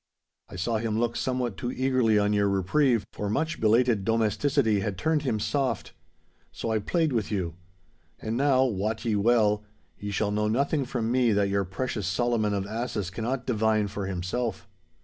I saw him look somewhat too eagerly on your reprieve, for much belated domesticity had turned him soft. So I played with you. And now, wot ye well, ye shall know nothing from me that your precious Solomon of asses cannot divine for himself!